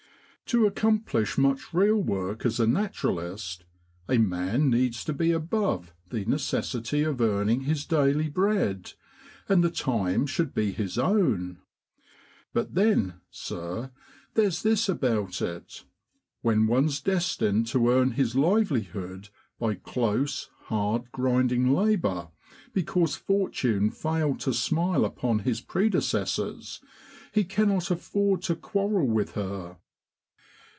To accom plish much real work as a naturalist, a man needs to be above the necessity of earning his daily bread, and the time should be his own ; but then, sir, there's this about it, when one's destined to earn his livelihood by close, hard, grinding labour, because fortune failed to smile upon his predecessors, he cannot afford to quarrel with her.